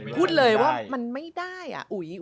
พูดเลยว่ามันไม่ได้อ่ะอุ๋ย